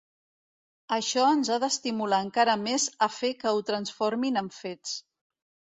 Això ens ha d’estimular encara més a fer que ho transformin amb fets.